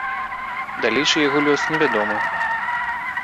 Далейшы яго лёс невядомы.